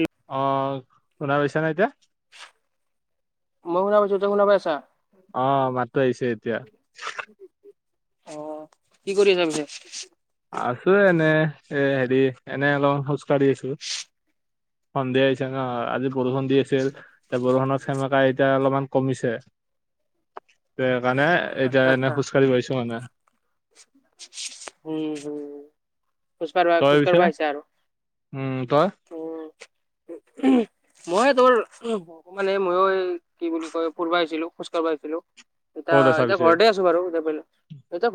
এৰি অহ এতিয়া শুনা পাইছা না এতিয়া মই শুনা পাইছো তই শুনা পাইছা অহ মাতো আহিছে এতিয়া অহ কি কৰি আছ পিছে আছো এনে এ হেৰি এনে অলপ খোজ কাঢ়ি আছো সন্ধিয়া হৈছে ন আজি বৰষুণ দি আছে আৰু এতিয়া বৰষুণত সেমেকাই এতিয়া অলপমান কমিছে সেইকাৰণে এতিয়া আচ্ছা এনে আচ্ছা খোজকাঢ়ি গৈছো মানে উম হম খোজকাঢ়িবা তই খোজ পিছে কঢ়িবা আহিছা আৰু উম তই উম উহ মই তোৰ অকমানে ময়ো এই কি বুলি কয় ফুৰবা আহিছিলোঁ খোজ কঢ়া আছিলোঁ এতিয়া ক'ত আছা এতিয়া পিছে ঘৰতে আছো বাৰু এতিয়া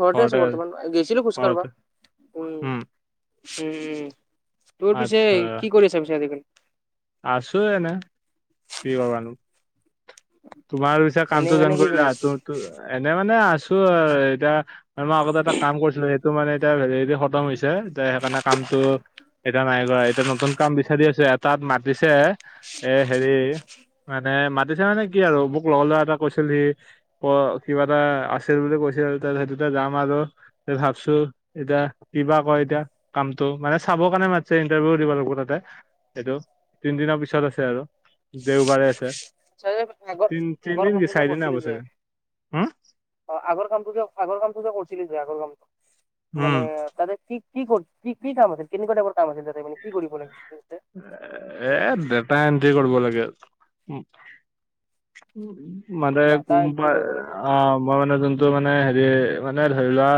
ঘৰ ঘৰতে আছো বৰ্তমান গেইছিলো খোজকাঢ়বা ঘৰতে উম উম উম তোৰ পিছে আচ্ছা কি কৰি আছে পিছে আজিকালি আছো এনেই কিয় বা নো তোমাৰ পিছে এনেই কামটো মানে জৰেন্ট কি কৰিলা কৰি তো এনে মানে আছোঁ এতিয়া মই আগতে এটা কাম কৰিছিলোঁ সেইটো মানে এতিয়া সে খতম হৈছে এতিয়া যে সেইকাৰণে কামটো এতিয়া নাই কৰা এতিয়া নতুন কাম বিচাৰি আছো এটাত মাতিছে এ হেৰি মানে মাতিছে মানে কি আৰু মোক লগৰ লৰাএটা কৈছিল সি ক কিবা এটা আছিল বুলি কৈছিল সেইটোতে যাম আৰু এ ভাবিছোঁ এতিয়া কি বা কয় এতিয়া কামটো মানে চাবৰ কাৰণে মাতিছে ইণ্টাৰভিউও দিব লাগিব তাতে সেইটো তিনিদিনৰ পিছত আছে আৰু দেওবাৰে আছে আচ্ছা যে আগত তিন আগৰ তিনদিন কি কামবোৰ চাৰিদিন হ'ব কৰিছিলি যে চাগে হম অহ আগৰ কামটো যে আগৰ কামটো যে কৰিছিলোঁ যে আগৰ কামটো মানে উম তাৰে কি কি কৰি কি কি কাম আছে কেনেকুৱা টাইপৰ কাম আছে তাতে মান কি কৰিব লাগে এ দেতা এন্ট্ৰি কৰিব লাগে মানুহে ডাটা কোম এন্ট্ৰি পায় কৰিব লাগে অ অহ মই মানে যোনটো মানে হেৰি মানে ধৰি লোৱা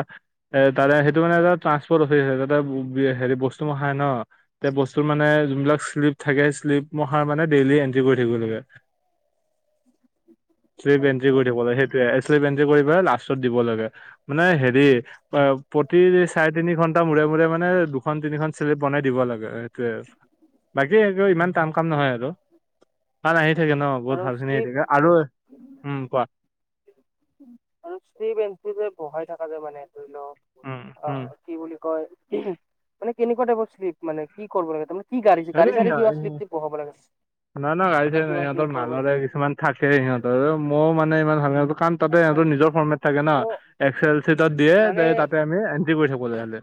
এ তাৰে সেইটো মানে এটা ট্ৰান্সপৰ্ট অফিচ সেইটো হেৰি বস্তু ৰাখাই ন এ বস্তুৰ মানে যোনবিলাক শ্লিপ থাকে শ্লিপ মহা মানে ডেইলি এন্ট্ৰি কৰি থাকিব লাগে চিলিপ আচ্ছা এট্ৰি কৰি দিব আচ্ছা লাগে সেইটোৱ এট্ৰি কৰি পেলাই লাষ্টত দিব লাগে মানে হেৰি অহ প্ৰতি চাৰি তিনি ঘন্টা মূৰে মূৰে মানে দুখন তিনিখন চিলিপ বনাই দিব লাগে সেইটোৱে বাকী এইটো ইমান টান কাম নহয় আৰু কাৰন আহি থাকে ন বহুত আৰু ভাল খিনি আহি শ্লিপ থাকে আৰু উম কোৱা আৰু সি বেঞ্চি যে বহাই থকা যে মানে ধৰি লওঁক উম অ উম কি বুলি কয় মানে কেনেকা টাইপৰ চিলিপ মানে কি কৰিব লাগে তাৰ মানে গাড়ী সেইটো ছাৰীৰ সিহ- কিবা চিলিপ তিলিপ পহাব লাগে নহয় নহয় না গাড়ীছাৰী নাই কিবা কিবি সিহঁতৰ কৰিব লাগে মালৰে কিছুমান থাকে সিহঁতৰ মইও মানে ইমান কাম তাতে আচ্ছা সিহঁৰ আচ্ছা নিজৰ ফৰ্মেট থাকে ন অ এক্স এল চিটত দিয়ে মানে তাতে আমি এন্ট্ৰি কৰি থব ললে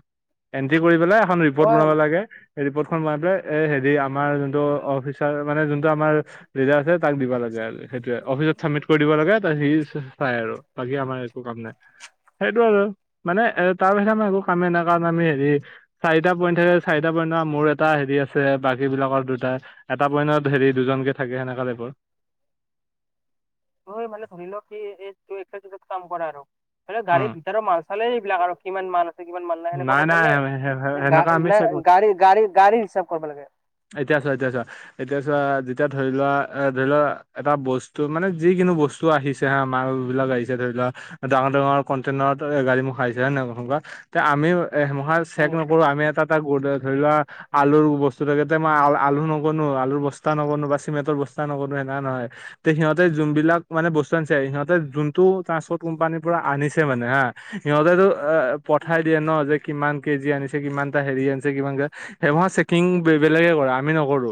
এণ্ট্ৰি কৰি পেলাই এখন ৰিপৰ্ট হয় বনাব লাগে সেই ৰিপৰ্টখন বনাই পেলাই এ হেৰি আমাৰ যোনটো অফিচাৰ মানে যোনটো আমাৰ লিডাৰ আছে তাক দিবা লাগে আৰু। সেইটোৱে অফিচত চাবমিট কৰি দিব লাগে সি চাই আৰু বাকী আমাৰ একো কাম নাই। সেইটো আৰু মানে এ তাৰ বিছত আমি একো কামে নাই কাৰণ আমি হেৰি,, চাৰিটা পইণ্ট থাকে চাৰিটা পইণ্ট ন মোৰ এটা হেৰি আছে। দূৰে বাকী বিলাকৰ দুটা এটা পইণ্টত হেৰি দুজনকে থাকে সেনেককা টাইপৰ। হৈ মানে এই ধৰি লক এই এচ তোৰচাৰ কেইতাত কাম কৰে আৰু মানে উম গাড়ীৰ ভিতৰ মাল চালে এইবলাক আৰু কিমান মাল আছে কিমান মাল নাই সেনেকুৱা তাইপৰ নে? নাই সেনেকা আমি না চেক গাড়ী গাড়ী গাড়ী হিচাপ কৰিব লাগে। এতিয়া চোৱা এতিয়া চোৱা। এতিয়া চোৱা যেতিয়া ধৰি লোৱা এ ধৰি লোৱা এটা বস্তু মানে যিকিনো বস্তু তো আহিছে হা আ মাল বিবাক আহিছে ধৰি লোৱা ডাঙৰ ডাঙৰ কণ্টেইনাৰত গাড়ী মূখ আহিছে হয় নহয় হে পখসা তে আমি এ মহা চেক উম নকৰো আমি এটা এটা ধৰি লোৱা আলুৰ বস্তু লগতে মই আ আলু নগনো আলুৰ বস্তা নগনো বা চিমেণ্টৰ বস্ত নগনো সেনা নহয়। তে সিহতে যোনিলাক মানে বস্তু আনিছে সিহতে যোনটো ট্ৰ্পৰ্ কোম্পানী পুৰা আনিছে মানে হা সিহঁতেতো এ পঠাই দিয়ে ন যে কিমান কেজি আনিচে। কিমান টা হেৰি আনিছে কিমান সেটিং- বে বেলেগে কৰে আমি নকৰো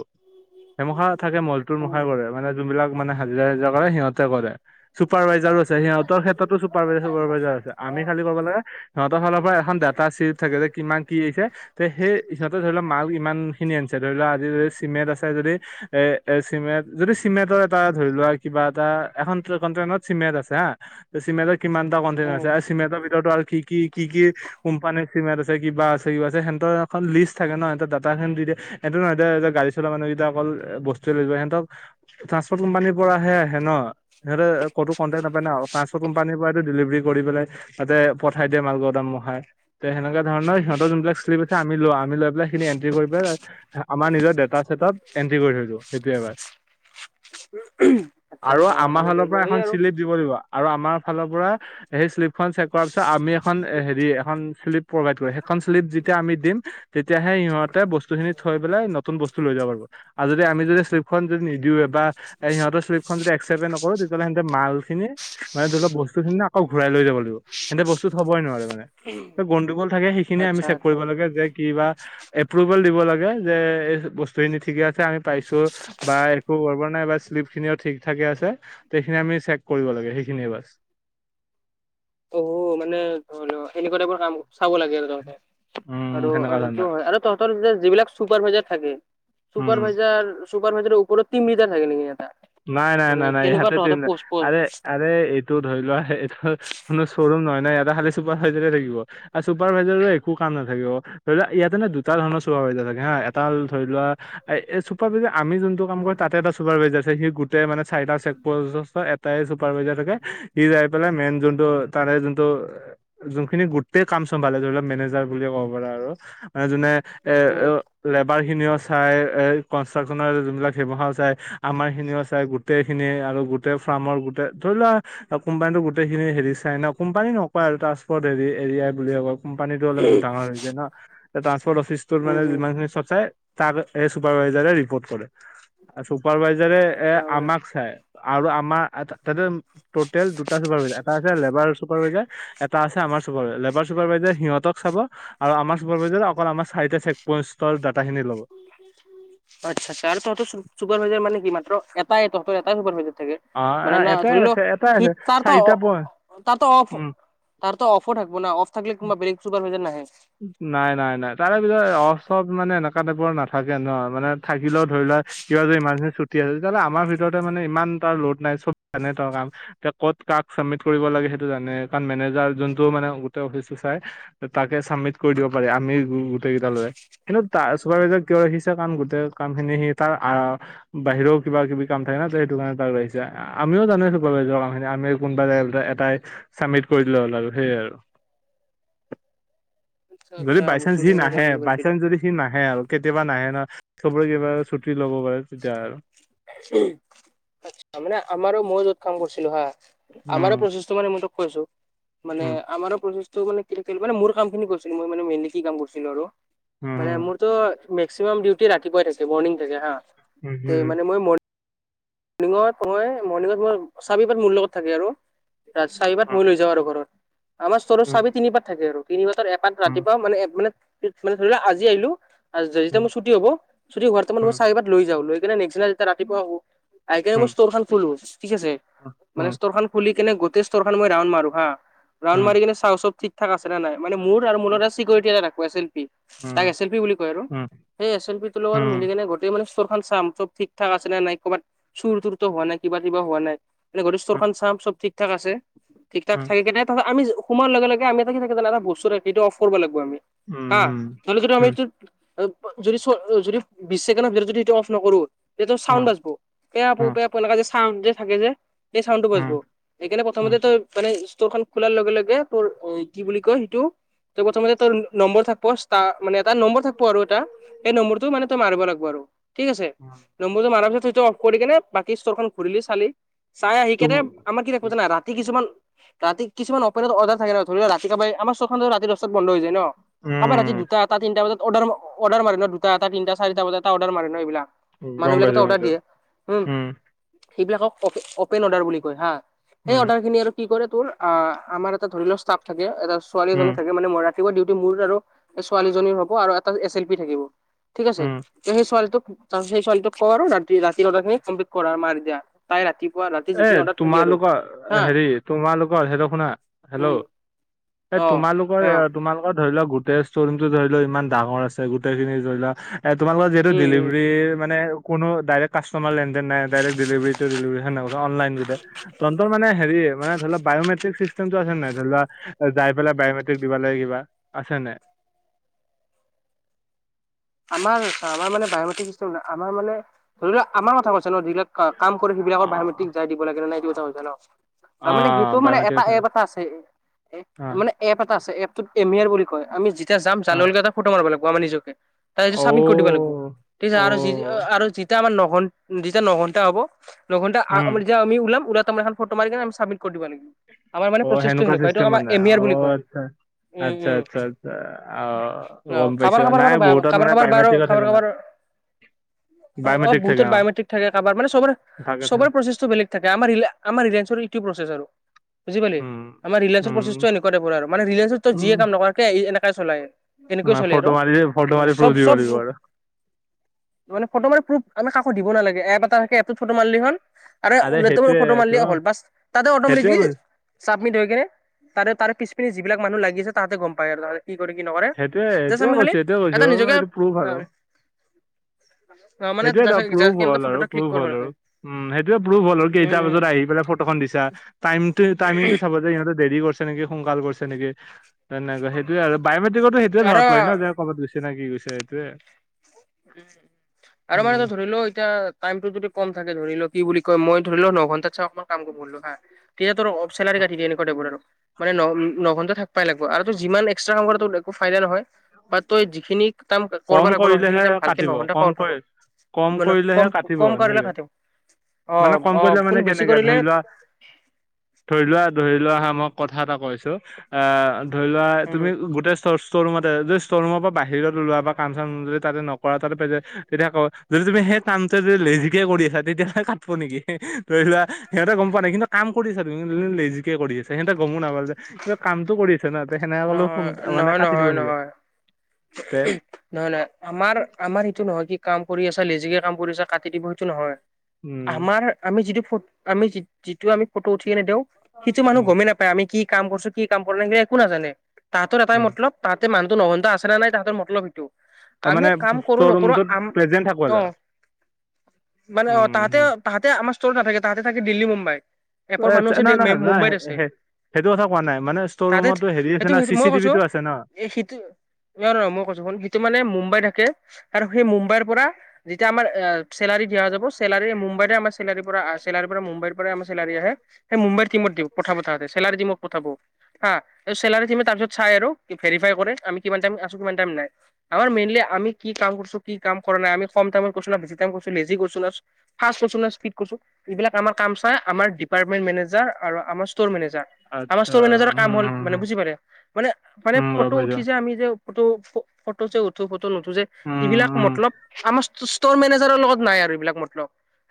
হেমখা থাকে মলটোৰ মুখে উম। কৰে মানে- যোন বিলাক মানে হাজিৰা হাজিৰা কৰে সিহঁতে কৰে। চুপাৰভাইজাৰো আছে সিহঁতৰ ক্ষেত্ৰতো চুাৰাইজাৰ আছে আমি খাল ক'ব লাগে- সিহঁত ফালৰ পৰা এখন ডাটা চিপ থাকে যে কিমান কিছে তে সেই সিহঁতে ধৰি লওক মাল ইমান- খিনি আনিছে ধৰি লওক আজ যদি চিমেণ্ট আছে যদি- এ এ চিমেণ্ট যদি চিমেণ্টৰ এটা ধৰি লোৱা কিবা এটা এখন কনটেইনত চিমেণ্ট আছে হাঁ। ত চিমেটৰ কিমান টা কনটেন উম। আছে আৰু চিমেতৰ ভিতৰত আৰু কি- কি কি কি কোম্পানীৰ চিমেণ্ট আছে কিবা আছে ক আছে সিহতৰ এখন লিষ্ট থাকে ন সিহঁত দাটা খন দি দিয়ে- এইটো নহয় এয়া যে গাডী চলা মানুহকেইটা অকল বচ- হেঁতক ট্ৰান্সপৰ্ট কোম্পানীৰ পৰাহে আহে ন সেতে কতো কনটেক নাপায় ন- কোম্পানীৰ পৰাটো ডেলিভাৰী কৰি পেলাই তাতে পঠাই দিয়ে মালঘৰ দামহাই- তে সেনেকা ধৰণৰ সিহঁতৰ যোনবিলাক আমি লৈ আম লৈ পেলাই সেখিনি এন্ট্ৰি কৰি পেলাই- আমাৰ নিজৰ ডেটা চেটত এন্ট্ৰি কৰি থৈছোঁ সেইটোয়েবাৰ। আচ্ছা আৰু আচ্ছা আমাৰ মানে ধৰি ফালৰ পৰা লও সেই এখন আৰু চিলপ,, দিব দিব আৰু আমাৰ ফালৰ পৰা সেই শ্লিপখন চেক কৰাৰ পিছত আমি এখন হেৰি,,, শ্লিপ প্ৰভাই কৰে সেখন শ্লিপ যেতিয়া আমি দিম তেতিয়াাহে সিহঁতে বস্তু থৈ পেলাই নতুন বস্তু লৈ যাব পাৰিব আৰু যদি আমি যদি শ্লিপখন যদি নিদিওঁওে বা এ সিহঁতৰ শ্লিপ সেই খন যদি একচেপে নকৰো তেতিয়াহ'লে মাল খিনি মানে ধৰি লও বস্তখিনি আকৌ ঘূৰাই লৈ যাব লাগিব হেতে বস্তু থবই নোৱাৰে মানে। গণ্ডুগোল থাকে সেইখিনিয়ে আমি আচ্ছা চেক আচ্ছা। কৰিব লাগে যে কিবা এপ্ৰোভেল দিব লাগে যে এই বস্তুখিনি ঠিকে আছে আমি পাইছো বা একো কৰিব নাইবা শ্লিপ খিনি ঠিক থাকে আছে সেইখিনি আমি চেক কৰিব লাগে সেইখিনিয়ে বাছ। অ মানে ধৰি লও এনেকুৱা টাইবৰ কাম চাব লাগে আৰু তহতে উম আৰু সেনেকা সেইটো ধৰণৰ হয় আৰু তহতৰ যিবিলাক চুপাৰ ভাইজাৰ থাকে উম চুপাৰ ভাইজাৰ। চুপাৰ বেজাৰ ওপৰত তিমৃতাৰ থাকে নেকি এটা। নাই নাই মানে নাই নাই কেনেকুৱা ইয়াতে তহঁতৰ তিনি পোষ্ট পৰ আৰে আৰে এইটো ধৰি লোৱা এইটো,,, কোনো শ্বৰুম নহ নাই ইটা খালী চুপাৰ ভাইজাৰে থাকিব আৰু চুপাৰ ভাইজাৰো একো কাম নাথাকিব। ধৰি লোৱা ইয়াতে নে দুটা ধৰণৰ চোপ্ৰাই বাজা থাকে হা এটা ধৰি লোৱা,,,, এ এই চুপাৰ বাইজাৰ আমি যোনটো কাম কৰিম তাতে এটা চুপাৰ বাইজাৰ আছে সি গোটেই মানে চাৰিটা চেক প্ৰযষ্ট এ- তাই চুপাৰভাইজাৰ থাকে সি যাই পেলাই মেইন যোনটো তাৰে যোনটো- যোনখিনি গোটেই কাম চম্ভালে ধৰি লওক মেনেজাৰ বুলিয়েই ক'ব পাৰা আৰু মানে যোনে- এ উম, লেবাৰ খিনিও চাই এ কনষ্ট্ৰাকচনৰ যোনবিলাক সেইবহাৰ চাই। আমাৰ খিনিও আছে গোটেইখিনি আৰু গোটেই ফাৰ্মৰ গোটেই ধৰি লোৱা- আৰু কোম্পানীটো গোটেইিন হেৰি চাই ন কোম্পানী নকোৱা আৰু ট্ৰান্সপ'ৰ্ট হেৰি এৰিয়াই বুলি কয়। কোম্পানীটো হ'লে বহুত ডাঙৰ হৈ য ন টান্সপৰ্ট অফিচ তৰ উম, মানে উম। যিমানখিনি চব চাই। তাক এ চুপাৰ ভাইজাৰে ৰিপৰ্ট কৰে আৰু চুপাৰ ভাইজাৰে এ আচ্ছা মানে আমাক চাই। আৰু আমাৰ তাতে টেল দুটা চুপাৰভাইজাৰ এটা আছে লেবাৰ চুপাৰভাইজাৰ- এটা আছে আমাৰ চুপাৰভাইজাৰ লেবাৰ চুপাৰভাইজাৰ সিহঁতক চাব। আৰু আমাৰ চুপাৰভাইজাৰ অকল আমাৰ চাৰিটা চেক পইন্টৰ ডটাখিনি লব। আচ্ছা আচ্ছা আৰু তহঁত ছুপাৰভাইজাৰ মানে কি মাত্ৰ এটাই তহঁত এটাই ছুপাৰভাইজাৰ। অ মানে ন এটাই ধৰিলও আছে এটাই সি আছে তাৰতো চাৰিটা পই তাৰতো অফ- উম তাৰত অফো থাকিব ন অফ থাকলে কোনোবা বেলেগ ছুপাৰভাইজাৰ নাহে। নাই নাই নাই তাৰে ভিতৰত অফ চফ মানে এনেকুৱা টাইপৰ নাথাকে ন মানে- থাকিলেও ধৰি লোৱা কিবা যদি ইমাৰ্জেঞ্চি ছু- টি তেতিয়াহ'লে আমাৰ ভিতৰতে মানে ইমান তাৰ লোড নাই চব জানে ত কাম। এতিয়া ক'ত কাক চাবমিট কৰিব লাগে সেইটো জানে কাৰণ মেনেজাৰ যোনটো মানে গোটেই অফিচটো চাই। তাকে চাবমিট কৰি দিব পাৰি আমি গোটেই কেইটা লৈ। কিন্তু তাৰ চুপাৰভাইজাৰ কিয় সিচা কাম গোটেই কাম খিনি সি তাৰ আহ- বাহিৰও কিব কিবি কাম থাকে নো সেইটো কাৰণে তাক আহিছে আমিও জানোই চুপাৰভাইজাৰ কামখিনি আমি- কোনোবা জেগা এটাই চাবমিট কৰি দিললে হ'ল আৰু সেইয়ে আৰু। আচ্ছা যদি আচ্ছা বাই চান্স সি বস্তুখিনি মই এতিয়া নাহে বুজি বাই পাইছো চান্স যদি সি নাহে আৰু কেতিয়াবা নাহে ন চবৰে কিবা ছু- ছুটি ল'ব পাৰে তেতিয়া আৰু। আ মানে আমাৰো মই যত কাম কৰিছিলো হা আমাৰো উম প্ৰচেষ্ট- সেইটো মানে সিহঁতক কৈছো মানে উম আমাৰো প্ৰচেষ্ট- ত মানে কিলো মানে মোৰ কাম খিনি কৰিছিলো মই মানে মেইনলি কি কাম কৰিছিলো আৰু মানে উম মোৰতো- মেক্সিমাম ডিউটি ৰাতিপুৱাই থাকে মৰ্নিং থাকে হা উম উম মান মই মৰ্নিং- মৰ্নিং মই মৰ্নিং মোৰ চাবিপাত মোৰ লগত থাকে আৰু। ৰা চাৰিবাৰ মই লৈ যাওঁ আৰু ঘৰত আমাৰ ষ্টৰ উম চাবি তিনিপাত থাকে আৰু তিনিপাতৰ এ- তাত উম ৰাতিপুৱা মানে মানে মানে ধৰি লোৱা আজি আহিলো যেতিয়া মোৰ ছুটি হ'ব ছুটি হোৱাৰ- মই টাইমত উম উম উম চাবিপাত লৈ যাওঁ লৈ কিনাই নেক্সট দিনা যেতিয়া ৰাতিপুৱা আহো আহি কিনাই উম মই ষ্টৰ খন খলো ঠিক আছে। মানে ষ্টৰ খন খুলি কেনে গোটেই ষ্টৰ খন মই ৰাউণ্ড মাৰো হা উম উম উম ৰাউণ্ড উম মাৰি কেনে চাওঁ চব ঠিক- থাক আছে নে নাই মানে মোৰ আৰু মোৰ লগত চিকিউৰিটি এটা থাকো আছিল এছ এল পি তাক এছ এল পি বুলি কয় আৰু। সেই এছ এল পি তো লগত মিল- সেইকাৰণে গোটেই মানে ষ্টৰ খন চাম চব ঠিক ঠাক আছে নাই ক'ৰাত চুৰ তুৰতো হোৱা নাই কিবা কিবা হোৱা নাই। এনে গোটেই ষ্টৰ খন চাম চব ঠিক ঠাক আছে ঠিক উম উম উম উম ঠাক থাকে কেনে তাৰ পিছত আমি- সোমাৰ লগে লগে আমি এটা কি থাকে জানো এটা বস্তু থাকে এইটো অফ কৰিব লাগিব আমি হা। উম আৰু যদি আমি এইটো যদি যদি বিশ ছেকেণ্ডৰ ভিতৰত যদিটো অফ নকৰো- যে ত চাউণ্ড বাজব পেয়া প পে পা যে চাউণ্ড যে থাকে যে। এই চাউণ্ডটো বাচব উম উম সেইকাৰণে প্ৰথমতে উম তোৰ মানে ষ্টৰ খন খোলাৰ লগে লগে তোৰ- কি বুলি কয় সিটো? তৰ প্ৰথমে তৰ নম্বৰ থাকব ষ্টাৰ মানে এটা নম্বৰ থাকব আৰু এটা সেই নম্বৰটো মানে- মাৰিব লাগিব আৰু ঠিক আছে নম্বটো মাৰ পিছত সেইটো অফ কৰি কেনে বাকী ষ্টৰ খন ঘুৰিলি চালি। চাই আহি তুম কেনে আমাৰ কি ৰাখোঁ জানা ৰাতি কিছুমান- ৰাতি কিছুমান অপৰেড অৰ্ডাৰ থাকে ন ধৰি লোৱা ৰাতি কাবায় আমাৰ ছখন ধ ৰাতিহটাত বন্ধ হৈ যায় ন। কাৰব ৰাতি উম দুতটা এটা তিনটা বজাত অৰ্ডাৰ অৰ্ডাৰ মাৰবা দুতটা এটা তিনটা চাৰিটা বজটা অৰ্ডাৰ মাৰে ন এইবিলাক মানুহ গম পাইছো বিলাকো গম অৰ্ডাৰ পাইছো দিয়ে উম। সেইবিলাকক অপেন অৰ্ডাৰ বুলি কয় হা, সেই উম অৰ্ডাৰ খিনি আৰু কি কৰে তোৰ অ আমাৰ এটা ধৰি লও ষ্টাফ থাকে, এটা ছোৱালীজনী উম থাকে মানে মৰা ডিউটি মোৰ আৰু ছোৱালীজনীৰ হ'ব আৰু এটা এছ এল পি থাকিব ঠিক আছে? উম সেই ছোৱলটোক সেই ছোৱালটোক কৰ আৰু ৰাটি ৰাতি অৰ্ডাৰখিনি কমপ্লিট কৰা আমাৰ এতিয়া। তাই ৰাতি এ যিখিনি অৰ্ডাৰ থাকে আৰু তোমালোকৰ হা হেৰি তোমালোকৰ সেইতো শুনা হেল্ল'। উম অ'। তোমালোক অ' তোমালোকৰ ধৰি লোৱা গোটেই ষ্টৰ ৰুমটো ধৰি লও ইমান ডাঙৰ আছে, গোটেই খিনি ধৰি লোৱা এ তোমালোকৰ যিহেতু উম উম ডিভাৰী মানে কোনো ডাইৰেক্ট কাষ্টমাৰ না ডাইৰেক দিলিভাটো দিলিভাৰি [unintelligible] চিচটেমটো আছে নে নাই? ধৰি লোৱা যাই পেলাই বায়মেট্ৰিক দিবা লাগ কিবা, আছে নে নাই? আমাৰ আমাৰ মানে বায়মেট্ৰিক চিচটেম নাই। আমাৰ মানে ধৰি লোৱা আমাৰ কথা কৈছে ন যিবিলাক কাম কৰে সেইবাকৰ অ বায়মেট্ৰিক যাই দিব লাগে নে নাই এইটো কথা কৈছা ন? অ তাৰমানে সেইটো মানে বায়'মেট্ৰিক এটা এব এটা আছে। অ। মানে এপ এটা আছে। এপ ত এম ইয়াৰ বুলি কয়। আমি যেতিয়া যাম যোৱা লগে লগে এটা ফটো মাৰব লাগিব আমাৰ নিজকে। তাৰপিছত অ চাবমিট কৰি দিব লাগিবি। ঠিক আছে। অ' অ' আৰু যি যিতা আমাৰ নঘন্টা হ'ব ন ঘণ্টা আ উম আমি ওলাম ওলাই তোম এখন ফট মাৰি কিনে আমি চাবমিত কৰি দিবা লাগিব। আমাৰ মানে অ', প্ৰচেছটো সেনেকুৱা সেইটোক চিষ্টেম আমাৰ মানে এমিয়াৰ বুলি অ', কয়। আচ্ছা। উম আচ্ছা উম। আচ্ছা আচ্ছা অ গম পাইছো নাই বহুত কবাৰ কাবাৰ বাৰু কবাৰ কবাৰ অ অ বায়মেট্ৰিক থাকে বহুতৰ অ', বায়'মেট্ৰিক থাকে কাবাৰ মান চবৰে থাকে চবৰে থাকে প্ৰচে বেলেগ থাকে, আমাৰ ৰিলেন ৰিলেঞ্চৰ এইটো প্ৰচেছ আৰু। বুজি পালি? উম, আমাৰ ৰিলেঞ্চৰ উম, প্ৰচছটো এনেকুৱা টাইপৰ আৰু মানে ৰিলেঞ্চৰ তে যিয়ে কাম নকৰা কিয় এই এনেকাই চলাই। মই ফটো মাৰি দিম উম চব চব মানে ফটো মানে প্ৰুফ আমি কাকো দিব নালাগে, এপ এটা থাকে এপটোত ফটো মিলি হ'ল আৰে আৰু [unintelligible] সেইটোয়ে ফটো মাৰলিও সেইটোয়ে হ'ল বাছ, তাতে অট'মেটিকলি কৈ চাবমিট হৈ কিনে তাৰে তাৰ পিছ পিনে যিবিলাক মানুহ লাগি আছে তাহতে গম পায় আৰু কি কৰে কি নকৰে, সেইটোয়ে জাচ সেইটোয়ে আমি খালি কৈছো এইটোয়ে কৈছো এটা নিজকে এইটো প্ৰুফ আহ আৰু সেইটোৱেটো প্ৰুফ হ'ল আৰু প্ৰুফ হ'ল আৰু লাগে। উম সেইটোয়ে প্ৰুফ হ'ল আৰু, উম কেইটা উম বজাত আহি পেলাই ফটোখন দিছা টাইমটো টাইমিংটো চাব দেই ইহঁতে দেৰি কৰিছে নেকি, সোনকাল কৰিছে নেকি তেনেকুৱা সেইটোয়ে আৰু বায়মেট্ৰিকতো সেইটোৱে ধৰত পাৰি ন আৰু যে ক'ৰবাত গৈছে নে কি গৈছে সেইটোৱে উম আৰু মানে উম ধৰিলও এতিয়া টাইমটো যদি কম থাকে ধৰি লোও কি বুলি কয় মই ধৰি লোও ন ঘন্টাত চাই অকমান কাম কৰিবলো হা তেতিয়া তোৰ অফ চেলাৰী কাটি দিয় এনেকুৱ টাইপৰ আৰু। মানে ন নঘন্টা থাক পাই লাগিব আৰু তই যিমান এক্সট্ৰা কাম কৰা একো ফাইদা নহয় বা তই যিখিনি কাম কৰবা কম লাগিব নহয় সেইখিনি কৰিলেহে কাম ভালকে কাটিব নঘন্টা কম কৰি [unintelligible] কম মানে কৰিলেহে কম কাটিব কম কাৰলে সেনেকে [unintelligible] অ মানে কম অ কৰিলে মানে ফুল বেছি কেনেকে কৰিলে ধৰি লোৱা ধৰি লোৱা ধৰি লোৱা হা মই কথা এটা কৈছো অ ধৰি লোৱা উম তুমি গোটেই ষ্ট'ৰ ৰুমতে যদি ষ্ট'ৰ ৰুমৰ পৰা বাহিৰত ওলোৱা বা কাম চাম যদি তাতে নকৰা তাতে পেজে তেতিয়া আক যদি তুমি সেই কামটো যদি লেজিকে কৰি আছা তেতিয়া হ'লে কা- টিব নেকি ধৰি লোৱা সিহঁতে গম পোৱা নাই কিন্তু কাম কৰিছা তুমি ই লেজি কৰি আছে সিহঁতে গমো নাপালা যে কিবা কামটো কৰি আছে না সেতে সেনেকলো ফোন নহয় মানে নহয় কাটি দিব নহয় এনেকে নহয় তে নহয় নহয় আমাৰ আমাৰ সেটো নহয় কি কাম কৰি আছা লেজিকে কাম কৰি আছ কাটি দিব সেইটো নহয়। উম আমাৰ আমি যিটো ফট আমি যি যিটো আমি ফটো উঠি কেনে দেও সেইটো মানুহ উম গমেই না- পায় আমি কি কাম কৰিছো কি কাম কৰা নাই সেখিনি একো নাজানে তাহতৰ এটাই উম মতলব তাহাতে মানুহোটো নহনদা আছে নে নাই তাহতৰ মতলব সেটো অ আমি মানে কাম কৰো ষ্টৰ নকৰো ৰুমটোত আম প্ৰেজেন্ট থাকবা অ লাগে মানে অ তাহাঁতে উম তাহাঁতে আমাৰ ষ্টৰত নাথাকে তাহাঁতে থাকে দিল্লী, মুম্বাই। এপৰ মানুহ এ, আছে নাই দেই নাই মে নাই মুম্বাইত আছে। হে- সেইটো কথা কোৱা নাই মানে ষ্টৰ তাতে ৰুমতো হেৰি আছে সেইটো না সেইটো চি মই চি কৈছো টিভিটো আছে ন এই সেইটো নহ নহয় মই কৈছো শুন সেইটো মানে মুম্বাই থাকে আৰু সেই মুম্বাইৰ পৰা যেতিয়া আমাৰ আ চেলাৰি দিয়া যাবচ চেলাৰী মুম্বাইৰ আম চেলাৰী পৰা চেলাৰ পৰা মুম্বাইৰ পৰা আমাৰ চেলাৰী আহে। সেই মুম্বাই টিমত দিওঁ পঠাব তাৰে চেলাৰ টিমক পঠাব হা এ চেলাৰী টিমে তাৰ পিছত চাই আৰু ভেৰিফাই কৰে আমি কিমান টাইম আছো কিমান টাইম নাই। আমাৰ মেইনলি আমি কি কাম কৰিছো, কি কাম কৰা নাই, আমি কম টাইমত কৰিছো না, বেছি টাইম কৰিছো, লেজি কৰিছো না ফাৰ্ষ্ট কৰিছো নে স্পিট কৰছো এইবিলাক আমাৰ কাম চাই আমাৰ ডিপাৰ্টমেণ্ট মেনেজাৰ আৰু আমাৰ ষ্টৰ মেনেজাৰ আমাৰ আচ্ছা ষ্টৰ মেনেজাৰৰ উম কাম হ'ল উম মানে উম বুজি পাৰে মানে মানে উম, গম ফটো পাইছো উঠি যে আমি যে ফটো ফটো যে উঠো ফটো নুঠো যে উম এইবিলাক উম মতলব আমাজ ষ্ট'ৰ মেনেজাৰৰ লগত নাই আৰু এইবিলাক মতলব।